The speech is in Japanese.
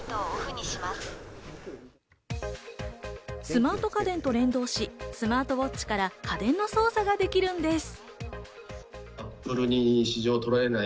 スマート家電と連動し、スマートウォッチから家電の操作ができるんです。